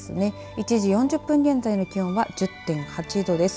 １時４０分現在の気温は１０．８度です。